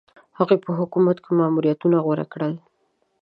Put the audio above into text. هغوی په حکومتونو کې ماموریتونه غوره کړل.